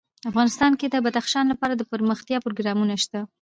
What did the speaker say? افغانستان کې د بدخشان لپاره دپرمختیا پروګرامونه شته.